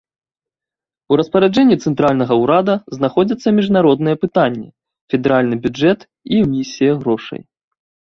У распараджэнні цэнтральнага ўрада знаходзяцца міжнародныя пытанні, федэральны бюджэт і эмісія грошай.